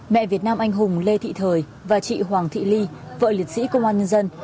mẹ việt nam anh hùng lê thị thời và chị hoàng thị ly vợ liệt sĩ công an nhân dân